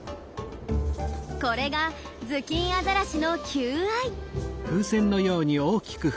これがズキンアザラシの求愛。